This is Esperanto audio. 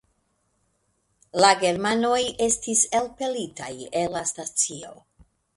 La germanoj estis elpelitaj el la stacio.